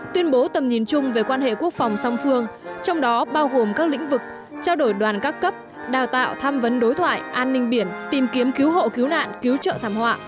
tuyên bố tầm nhìn chung về quan hệ quốc phòng song phương trong đó bao gồm các lĩnh vực trao đổi đoàn các cấp đào tạo tham vấn đối thoại an ninh biển tìm kiếm cứu hộ cứu nạn cứu trợ thảm họa